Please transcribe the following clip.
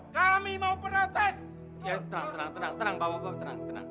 kami mau protes